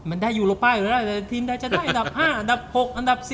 อันดับ๕อันดับ๖อันดับ๔